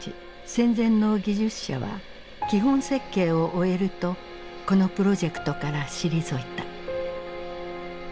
戦前の技術者は基本設計を終えるとこのプロジェクトから退いた。